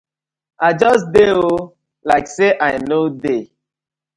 I just dey oo, like say I no dey.